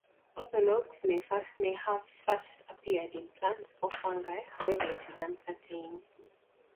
Orthologs may have first appeared in plants or fungi however it is uncertain.